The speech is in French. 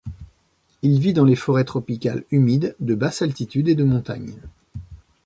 Il vit dans les forêts tropicales humides de basse altitude et de montagne.